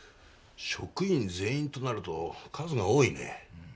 職員全員となると数が多いね。